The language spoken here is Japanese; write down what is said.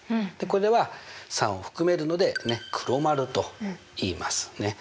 これは３を含めるので黒丸といいますね。